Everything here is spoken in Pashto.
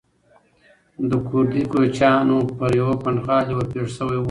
د کوردي کوچیانو پر یوه پنډغالي ورپېښ شوی و.